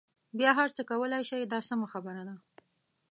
بیا هر څه کولای شئ دا سمه خبره ده.